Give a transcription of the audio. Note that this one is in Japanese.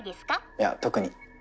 いや特に。